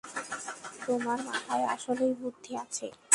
তোমার মাথায় আসলেই বুদ্ধি আছে।